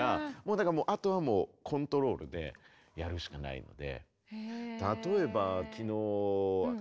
だからあとはもうコントロールでやるしかないので。